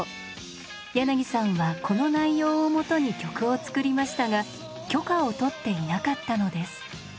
柳さんはこの内容を基に曲を作りましたが許可を取っていなかったのです。